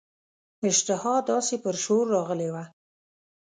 اشتها داسي پر ښور راغلې وه.